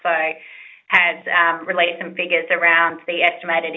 telah meluncurkan beberapa peringkat mengenai